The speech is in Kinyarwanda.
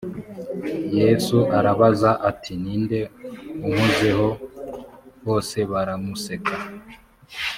yesu arabaza ati ni nde unkozeho bose baramuseka